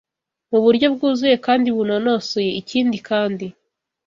mu buryo bwuzuye kandi bunonosoye. Ikindi kandi